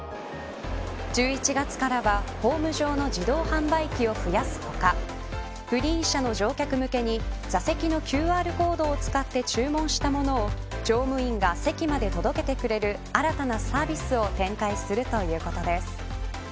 １１月からは、ホーム上の自動販売機を増やす他グリーン車の乗客向けに座席のＱＲコードを使って注文したものを乗務員が席まで届けてくれる新たなサービスを展開するということです。